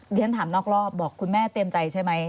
เรียนถามนอกรอบบอกคุณแม่เตรียมใจใช่ไหม